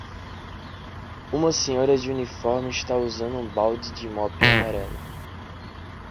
Uma senhora de uniforme está usando um balde de mop amarelo.